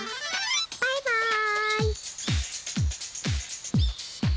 バイバーイ！